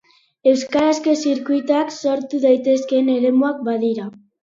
Euskarazko zirkuituak sortu daitezkeen eremuak badira.